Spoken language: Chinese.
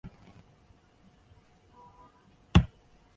母亲是侧室高木敦子。